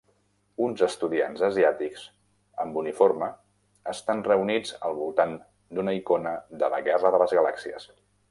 Uns estudiants asiàtics amb uniforme estan reunits al voltant d'una icona de la Guerra de les Galàxies.